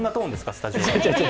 スタジオ。